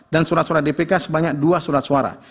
dan surat suara dpk sebanyak dua surat suara